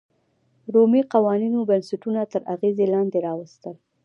رومي قوانینو بنسټونه تر اغېز لاندې راوستل.